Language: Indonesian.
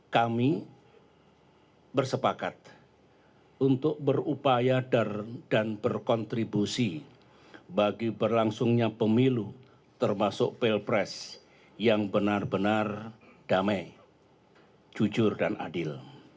kami bersepakat untuk berupaya dan berkontribusi bagi berlangsungnya pemilu termasuk pilpres yang benar benar damai jujur dan adil